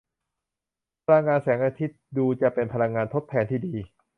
พลังงานแสงอาทิตย์ดูจะเป็นพลังงานทดแทนที่ดี